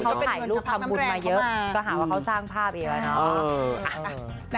เขาถ่ายรูปทำบุญมาเยอะก็หาว่าเขาสร้างภาพอีกแล้วเนาะ